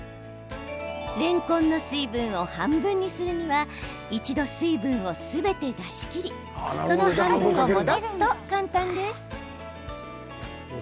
れんこんの水分を半分にするには一度、水分をすべて出しきりその半分を戻すと簡単です。